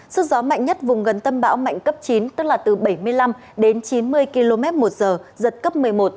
sức gió mạnh nhất vùng gần tâm bão mạnh cấp chín tức là từ bảy mươi năm đến chín mươi km một giờ giật cấp một mươi một